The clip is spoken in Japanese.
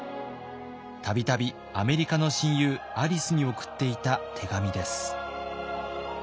度々アメリカの親友アリスに送っていた手紙です。